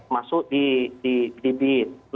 masuk di bin